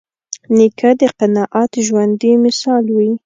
نیکه د قناعت ژوندي مثال وي.